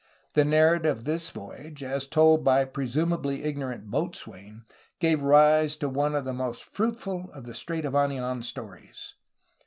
The narrative of this voyage, as told by the presumably ignorant boatswain, gave rise to one of the most fruitful of the Strait of Anidn stories.